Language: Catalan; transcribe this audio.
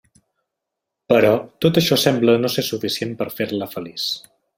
Però, tot això sembla no ser suficient per fer-la feliç.